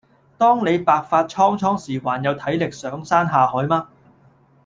當你白髮蒼蒼時還有體力上山下海嗎？